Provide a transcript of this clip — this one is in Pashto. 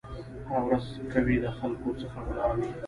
هره ورځ کوي له خلکو څخه غلاوي